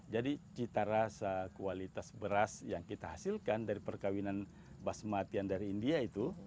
jadi cita rasa kualitas beras yang kita hasilkan dari perkawinan basmati yang dari india itu